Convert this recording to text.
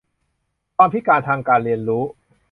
ความพิการทางการเรียนรู้